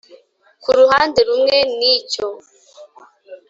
ku ruhande rumwe nicyo